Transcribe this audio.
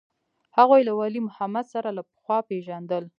هغوى له ولي محمد سره له پخوا پېژندل.